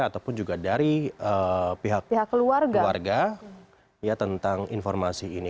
ataupun juga dari pihak keluarga tentang informasi ini